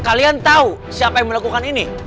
kalian tahu siapa yang melakukan ini